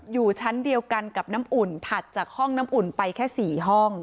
อยู่ชั้นเดียวกันกับน้ำอุ่นถัดจากห้องน้ำอุ่นไปแค่๔ห้อง